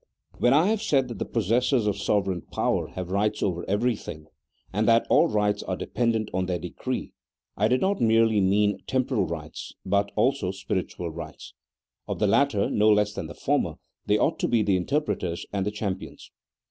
WHEN I said that the possessors of sovereign power have rights over everything, and that all rights are dependent on their decree, I did not merely mean temporal rights, but also spiritual rights ; of the latter, no less than the former, they ought to be the interpreters and the champions.